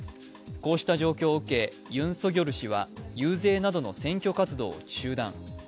こうした状況を受けユン・ソギョル氏は遊説などの選挙活動を中断。